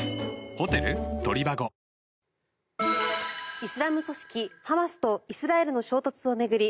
イスラム組織ハマスとイスラエルの衝突を巡り